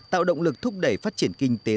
tạo động lực thúc đẩy phát triển kinh tế